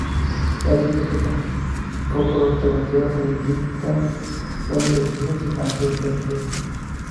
La película está coprotagonizada por Jeff Daniels, Wanda De Jesus y Anjelica Huston.